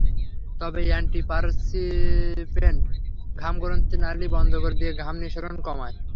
তবে অ্যান্টিপারসপিরেন্ট ঘাম গ্রন্থির নালি বন্ধ করে দিয়ে ঘাম নিঃসরণ কমায়।